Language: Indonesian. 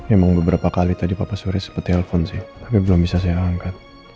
emang beberapa kali tadi papa suri sempat telepon sih tapi belum bisa saya angkat